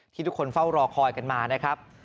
ทุกคนเฝ้ารอคอยกันมานะครับ